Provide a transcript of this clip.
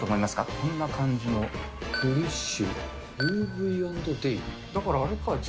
こんな感じの、ポリッシュ？